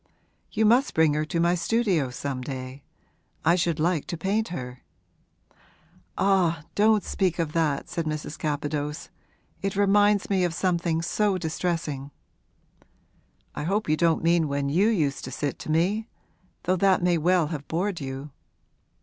'You must bring her to my studio some day I should like to paint her.' 'Ah, don't speak of that,' said Mrs. Capadose. 'It reminds me of something so distressing.' 'I hope you don't mean when you used to sit to me though that may well have bored you.'